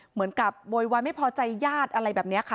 เหมือนกับโวยวายไม่พอใจญาติอะไรแบบนี้ค่ะ